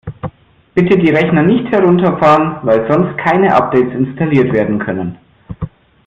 Bitte die Rechner nicht herunterfahren, weil sonst keine Updates installiert werden können!